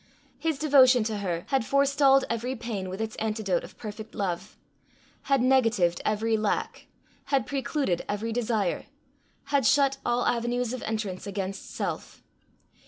His devotion to her had forestalled every pain with its antidote of perfect love, had negatived every lack, had precluded every desire, had shut all avenues of entrance against self.